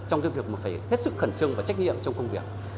trong việc phải hết sức khẩn trương và trách nhiệm trong công việc